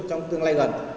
trong tương lai gần